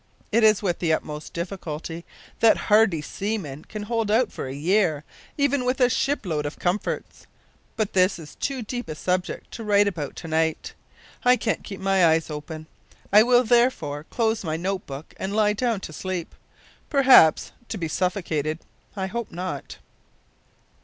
It is with the utmost difficulty that hardy seamen can hold out for a year, even with a ship load of comforts. But this is too deep a subject to write about to night! I can't keep my eyes open. I will, therefore, close my note book and lie down to sleep perhaps to be suffocated! I hope not!"